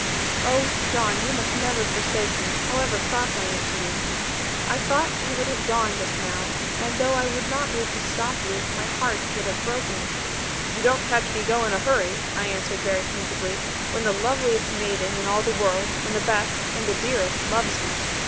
Oh, John, you must never forsake me, however cross I am to you. I thought you would have gone, just now; and though I would not move to stop you, my heart would have broken.' 'You don't catch me go in a hurry,' I answered very sensibly, 'when the loveliest maiden in all the world, and the best, and the dearest, loves me.